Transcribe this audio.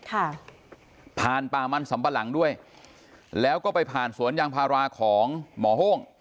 ค่ะผ่านป่ามันสำปะหลังด้วยแล้วก็ไปผ่านสวนยางพาราของหมอโห้ง